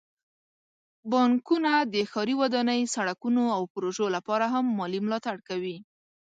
بانکونه د ښاري ودانۍ، سړکونو، او پروژو لپاره هم مالي ملاتړ کوي.